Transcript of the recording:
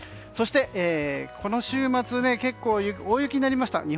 そして、この週末結構大雪になりました。